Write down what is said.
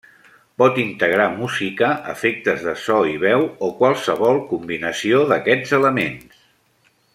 Pot integrar música, efectes de so i veu, o qualsevol combinació d’aquests elements.